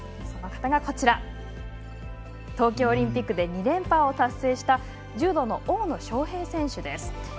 その方が東京オリンピックで２連覇を達成した柔道の大野将平選手です。